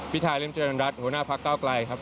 พิธาเล่มเจริญรัฐหัวหน้าภักร์เก้าไกลครับ